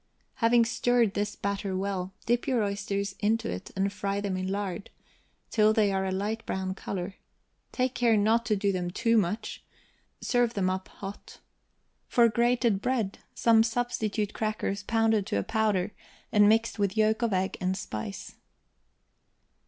Having stirred this batter well, dip your oysters into it, and fry them in lard, till they are a light brown color. Take care not to do them too much. Serve them up hot. For grated bread, some substitute crackers pounded to a powder, and mixed with yolk of egg and spice.